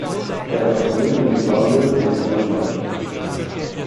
Era fornito di debugger per il codice macchina.